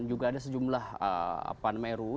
juga ada sejumlah ruu